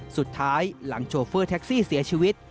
สุดท้ายหลังโชเฟอร์แท็กซี่เสียชีวิต